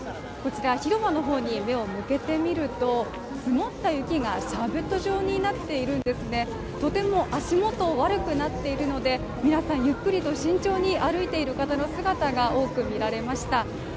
そして、こちらに目を向けてみると雪がシャーベット状になっているのでとても足元悪くなっているので、皆さんゆっくりと慎重に歩いている方の姿が多く見られました。